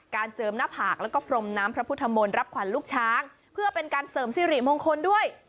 เจิมหน้าผากแล้วก็พรมน้ำพระพุทธมนต์รับขวัญลูกช้างเพื่อเป็นการเสริมสิริมงคลด้วย